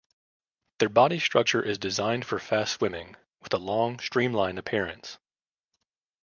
Their body structure is designed for fast swimming with a long streamline appearance.